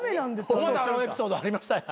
お股洗うエピソードありましたやん。